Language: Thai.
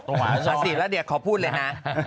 ประสิทธิ์แล้วเดี๋ยวขอพูดเลยนะ